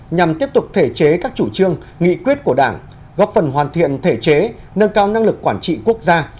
nhằm tiếp tục thể chế các chủ trương nghị quyết của đảng góp phần hoàn thiện thể chế nâng cao năng lực quản trị quốc gia